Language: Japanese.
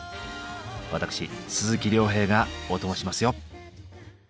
私鈴木亮平がオトモしますよ。